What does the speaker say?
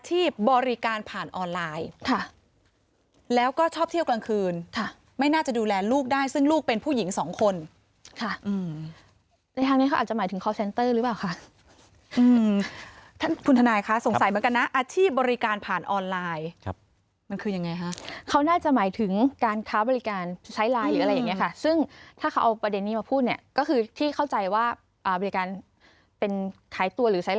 หญิงสองคนค่ะอืมในทางนี้เขาอาจจะหมายถึงคอร์ฟเซ็นเตอร์หรือเปล่าค่ะอืมท่านคุณทนายค่ะสงสัยเหมือนกันนะอาชีพบริการผ่านออนไลน์ครับมันคือยังไงค่ะเขาน่าจะหมายถึงการค้าบริการใช้ลายหรืออะไรอย่างเงี้ยค่ะซึ่งถ้าเขาเอาประเด็นนี้มาพูดเนี้ยก็คือที่เข้าใจว่าอ่าบริการเป็นขายตัวหรือใช้ล